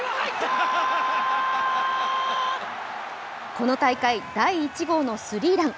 この大会第１号のスリーラン。